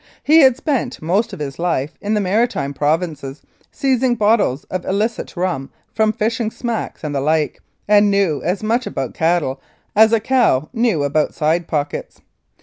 He had spent most of his life in the Maritime Provinces seizing bottles of illicit rum from fishing smacks and the like, and knew as much about cattle as a cow knew about side pockets.